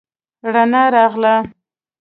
رڼا راغله.